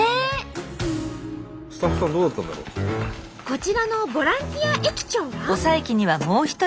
こちらのボランティア駅長は。